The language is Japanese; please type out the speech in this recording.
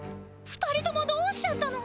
２人ともどうしちゃったの？